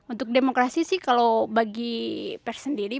untuk demokrasi sih kalau bagi pers sendiri